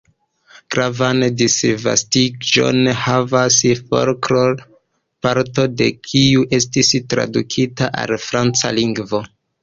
Gravan disvastiĝon havas folkloro, parto de kiu estis tradukita al la franca lingvo.